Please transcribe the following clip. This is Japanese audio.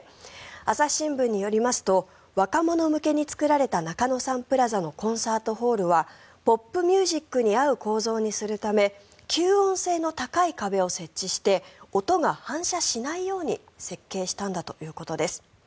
朝日新聞によりますと若者向けに作られた中野サンプラザのコンサートホールはポップミュージックに合う構造にするため吸音性の高い壁を設置して音が反射しないように設計したんだということです。